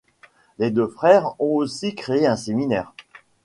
Les deux frères ont aussi créé un séminaire.